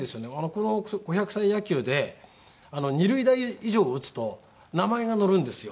この５００歳野球で二塁打以上打つと名前が載るんですよ。